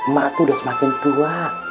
mak tuh udah semakin tua